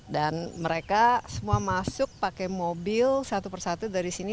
dan mereka semua masuk pakai mobil satu persatu dari sini